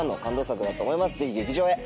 ぜひ劇場へ。